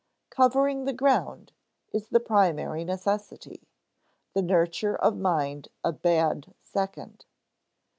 "Covering the ground" is the primary necessity; the nurture of mind a bad second.